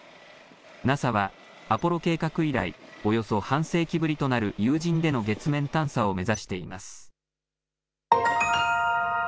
ＮＡＳＡはアポロ計画以来、およそ半世紀ぶりとなる有人での月面探査を目指しています。